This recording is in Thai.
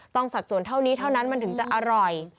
สัดส่วนเท่านี้เท่านั้นมันถึงจะอร่อย